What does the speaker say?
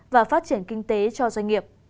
và phát triển kinh tế cho doanh nghiệp